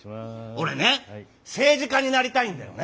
俺ね政治家になりたいんだよね。